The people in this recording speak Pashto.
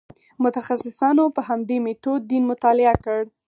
متخصصانو په همدې میتود دین مطالعه کړ.